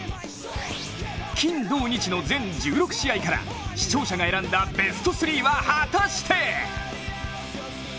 金土日の全１６試合から視聴者が選んだベスト３は果たして？